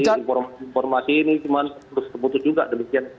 jadi informasi ini cuma terus terputus juga demikian